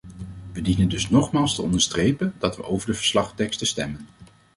We dienen dus nogmaals te onderstrepen dat we over de verslagteksten stemmen.